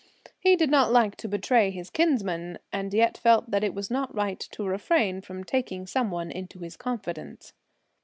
He did not like to betray his kinsman, and yet felt that it was not right to refrain from taking someone into his confidence.